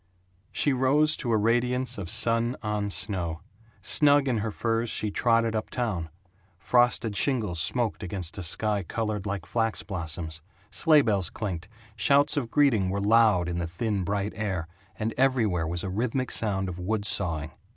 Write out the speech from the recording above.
She rose to a radiance of sun on snow. Snug in her furs she trotted up town. Frosted shingles smoked against a sky colored like flax blossoms, sleigh bells clinked, shouts of greeting were loud in the thin bright air, and everywhere was a rhythmic sound of wood sawing.